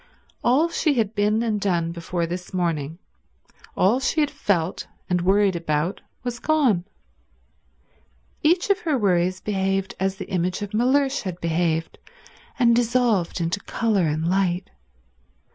All she had been and done before this morning, all she had felt and worried about, was gone. Each of her worries behaved as the image of Mellersh had behaved, and dissolved into colour and light.